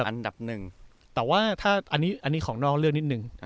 อันดับหนึ่งแต่ว่าถ้าอันนี้ของน้องเลือกนิดนึง